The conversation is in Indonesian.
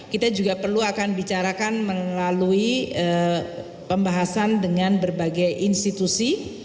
kita juga perlu akan bicarakan melalui pembahasan dengan berbagai institusi